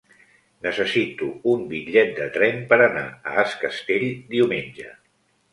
Necessito un bitllet de tren per anar a Es Castell diumenge.